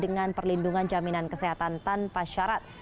dengan perlindungan jaminan kesehatan tanpa syarat